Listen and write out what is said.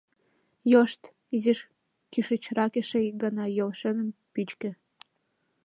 «Йошт!» — изиш кӱшычрак эше ик гана йол шӧным пӱчкӧ.